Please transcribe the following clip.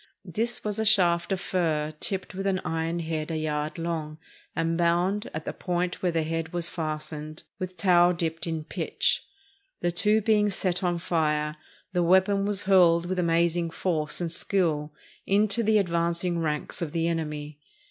This was a shaft of fir tipped with an iron head a yard long, and bound, at the point where the head was fastened, with tow dipped in pitch. The two being set on fire, the weapon was hurled with amazing force and skill into the advanc ing ranks of the enemy.